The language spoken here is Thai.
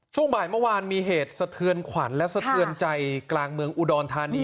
ช่วงบ่ายเมื่อวานมีเหตุสะเทือนขวัญและสะเทือนใจกลางเมืองอุดรธานี